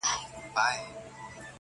o د جولا منډه تر موږي پوري وي٫